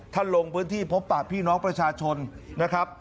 ลงพื้นที่พบปะพี่น้องประชาชนนะครับ